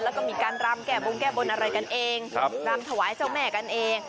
แล้วก็มีการรำแก้บงแก้บนอะไรกันเองรำถวายเจ้าแม่กันเอง